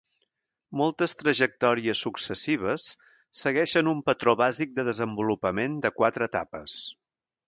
Moltes trajectòries successives segueixen un patró bàsic de desenvolupament de quatre etapes.